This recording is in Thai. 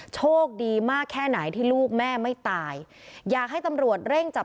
โชคดีมากแค่ไหนที่ลูกแม่ไม่ตาย